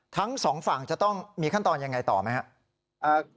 ทั้งสองฝั่งจะต้องมีขั้นตอนยังไงต่อไหมครับ